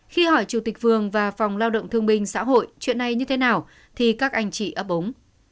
khi hỏi chủ tịch phường và phòng lao động thương binh xã hội chuyện này như thế nào thì các anh chị ấp ống